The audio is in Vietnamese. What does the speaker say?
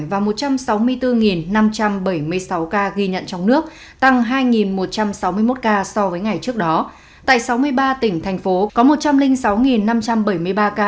và một trăm sáu mươi bốn năm trăm bảy mươi sáu ca ghi nhận trong nước tăng hai một trăm sáu mươi một ca so với ngày trước đó tại sáu mươi ba tỉnh thành phố có một trăm linh sáu năm trăm bảy mươi ba ca